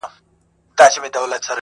o چي زه او ته راضي، ښځه غيم د قاضي.